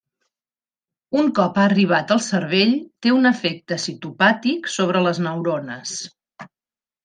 Un cop ha arribat al cervell, té un efecte citopàtic sobre les neurones.